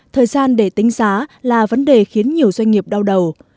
thời gian để tính giá là vấn đề khiến nhiều doanh nghiệp đau đầu